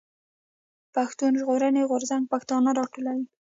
پښتون ژغورني غورځنګ پښتانه راټولوي.